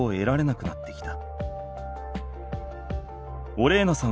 オレーナさん